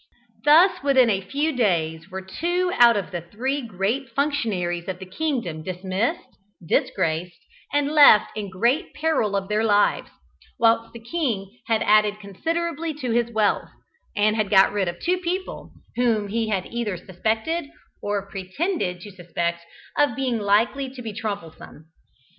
Thus within a few days were two out of the three great functionaries of the kingdom dismissed, disgraced, and left in great peril of their lives, whilst the king had added considerably to his wealth, and had got rid of two people whom he had either suspected or pretended to suspect of being likely to be troublesome.